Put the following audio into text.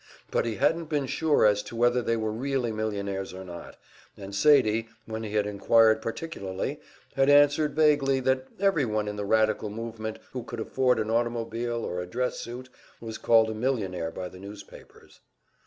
But he hadn't been sure as to whether they were really millionaires or not, and Sadie, when he had inquired particularly, had answered vaguely that every one in the radical movement who could afford an automobile or a dress suit was called a millionaire by the newspapers.